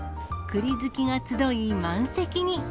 栗好きが集い、満席に。